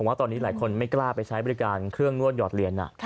ว่าตอนนี้หลายคนไม่กล้าไปใช้บริการเครื่องนวดหยอดเหรียญ